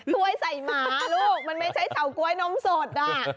กล้วยใส่หมาลูกมันไม่ใช่เฉาก๊วยนมสดอ่ะ